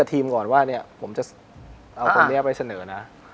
ทีมก่อนว่าผมจะเอาความเงียบไปเสนอนะ